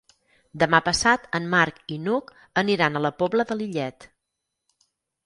Demà passat en Marc i n'Hug aniran a la Pobla de Lillet.